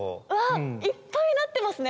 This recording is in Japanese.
いっぱいなってますね。